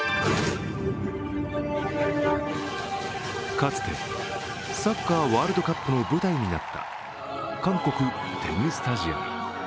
かつてサッカーワールドカップの舞台になった韓国テグスタジアム。